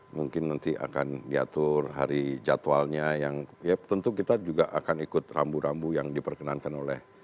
mungkin nanti akan diatur hari jadwalnya yang ya tentu kita juga akan ikut rambu rambu yang diperkenankan oleh